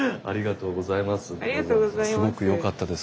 すごくよかったです。